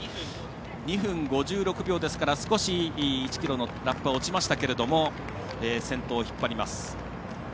２分５６秒ですから少し１ｋｍのラップは落ちましたけれども先頭を引っ張ります。